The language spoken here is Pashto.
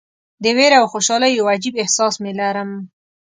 د ویرې او خوشالۍ یو عجیب احساس مې لرم.